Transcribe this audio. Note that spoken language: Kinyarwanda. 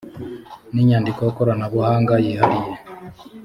n inyandiko koranabuhanga yihariye